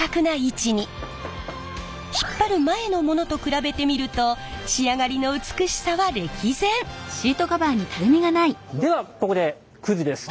引っ張る前のものと比べてみると仕上がりの美しさは歴然！ではここでクイズです。